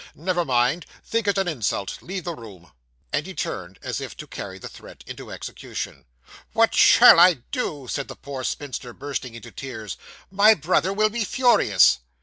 Never mind think it an insult leave the room' and he turned, as if to carry the threat into execution. 'What shall I do!' said the poor spinster, bursting into tears. 'My brother will be furious.